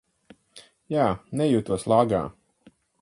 Jā, nejūtos lāgā.